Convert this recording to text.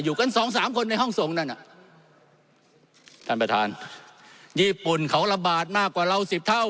กันสองสามคนในห้องส่งนั่นอ่ะท่านประธานญี่ปุ่นเขาระบาดมากกว่าเราสิบเท่า